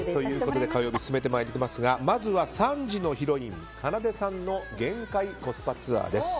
火曜日、進めてまいりますがまずは３時のヒロインかなでさんの限界コスパツアーです。